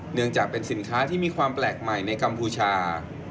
เนื่องจากเป็นสินค้าที่มีความแปลกใหม่ในกัมพูชา